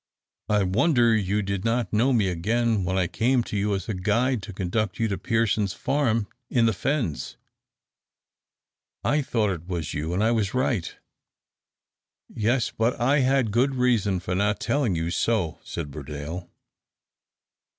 "I wonder you did not know me again when I came to you as a guide to conduct you to Pearson's farm in the fens." "I thought it was you, and I was right." "Yes; but I had good reason for not telling you so," said Burdale.